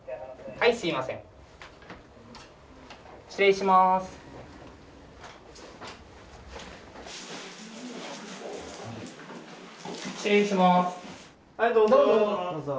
はいどうぞ。